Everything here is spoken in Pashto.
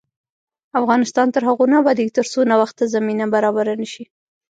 افغانستان تر هغو نه ابادیږي، ترڅو نوښت ته زمینه برابره نشي.